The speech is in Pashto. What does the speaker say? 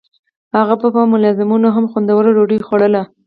هغه به په ملازمانو هم خوندوره ډوډۍ خوړوله.